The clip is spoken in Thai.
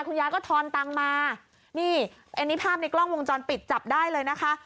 คุณยายก็ทอนตังค์มานี่อันนี้ภาพในกล้องวงจรปิดจับได้เลยนะคะ